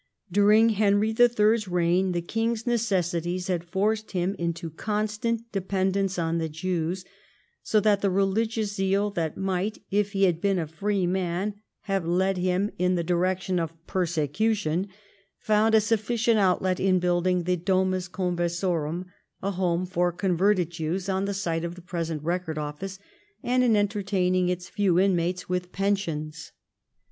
During Ileniy III.'s reign the king's necessities had forced him into constant depend ence on the Jews, so that the religious zeal that might, if he had been a free man, have led him in the direction IX EDWARD AND THE CHURCH 161 of persecution, found a sufficient outlet in building the Domus Conversorum, a home for converted Jews, on the site of the present Record Office, and in entertaining its few inmates with pensions.